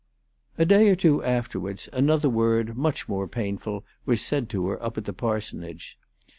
A day or two afterwards another word, much more painful, was said to her up at the parsonage.